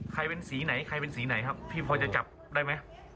ใครเป็นสีไหนครับพี่พ่อจะจับได้ไหม